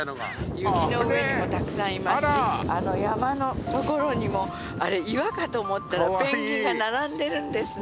雪の上にもたくさんいますしあの山の所にもあれ岩かと思ったらペンギンが並んでるんですね